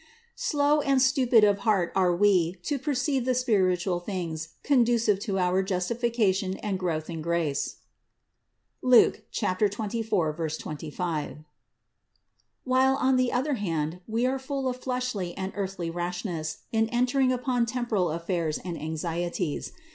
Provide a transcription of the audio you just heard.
Slow and stupid of heart are we to perceive the spiritual things conducive to our justi fication and growth in grace (Luke 24, 25) ; while on the other hand we are full of fleshly and earthly rashness in entering upon temporal affairs and anxieties.